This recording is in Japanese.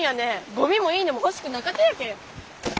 ゴミもいいねもほしくなかとやけん。